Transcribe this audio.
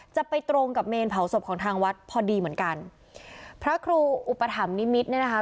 จะไปตรงกับเมนเผาศพของทางวัดพอดีเหมือนกันพระครูอุปถัมภนิมิตรเนี่ยนะคะ